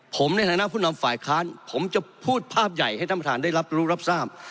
ผมในฐานะผู้นำฝ่ายค้านผมจะพูดภาพใหญ่ให้ท่านประธานได้รับรู้รับทราบ